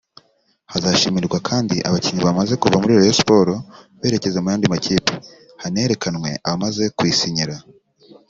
Hazashimirwa kandi abakinnyi bamaze kuva muri Rayon Sports berekeza mu yandi makipe hanerekanwe abamaze kuyisinyira